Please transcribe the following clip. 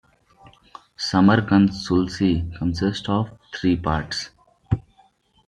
Samarkand Sulci consists of three parts.